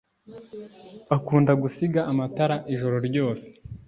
akunda gusiga amatara ijoro ryose